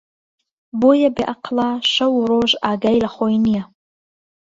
بۆیه بێ عاقڵه شەو و ڕۆژ ئاگای له خۆی نییه